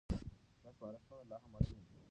دا سپارښتنه لا هم اړينه ده.